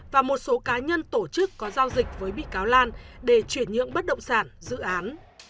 và một số cá nhân tổ chức có giao dịch với bị cáo lan để chuyển nhượng bất động sản dự án